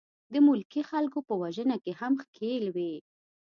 د ملکي خلکو په وژنه کې هم ښکېل وې.